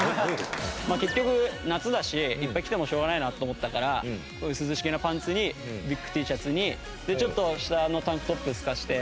まあ結局夏だしいっぱい着てもしょうがないなと思ったからこういう涼しげなパンツにビッグＴシャツにでちょっと下のタンクトップ透かして。